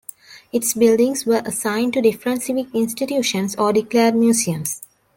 Its buildings were assigned to different civic institutions or declared museums.